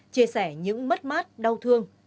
chia sẻ những mất mát đau thương